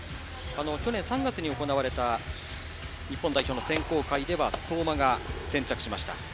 去年３月に行われた日本代表の選考会では相馬が先着しました。